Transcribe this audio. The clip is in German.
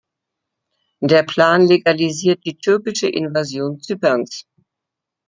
Der Plan legalisiert die türkische Invasion Zyperns.